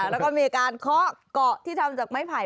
แล้วก็มีการเคาะเกาะที่ทำจากไม้ไผ่